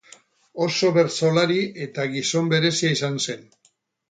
Oso bertsolari eta gizon berezia izan zen.